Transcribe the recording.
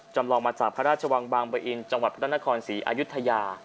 จำลองมาจากพระราชวังบางบะอินจังหวัดพระนครศรีอายุทยา